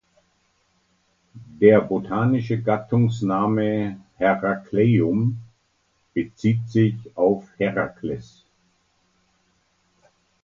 Der botanische Gattungsname "Heracleum" bezieht sich auf Herakles.